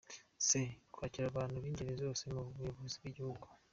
C. Kwakira abantu b’ingeri zose mu buyobozi bw’igihugu: